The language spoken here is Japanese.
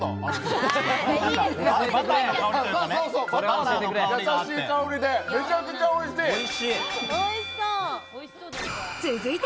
バターのやさしい香りで、めちゃくちゃおいしい！